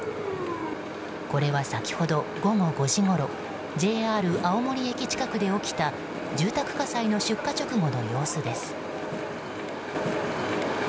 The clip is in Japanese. これは先ほど午後５時ごろＪＲ青森駅近くで起きた住宅火災の出火直後の様子です。